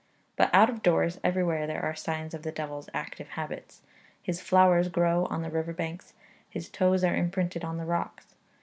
But out of doors everywhere there are signs of the devil's active habits. His flowers grow on the river banks; his toes are imprinted on the rocks.